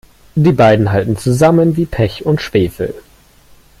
Die beiden halten zusammen wie Pech und Schwefel.